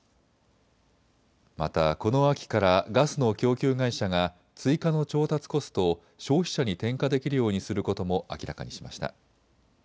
また、この秋からガスの供給会社が追加の調達コストを消費者に転嫁できるようにすることも明らかにしました。